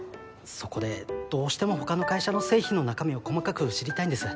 そこでどうしても他の会社の製品の中身を細かく知りたいんです。